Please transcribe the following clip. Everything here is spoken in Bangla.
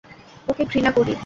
ওকে ঘৃণা করি।